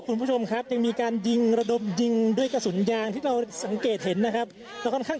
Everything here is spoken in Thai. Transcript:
คุณผู้ชมครับยังมีการยิงระดมดิงด้วยเงินยางที่เราสังเกตก็ค่อนข้าง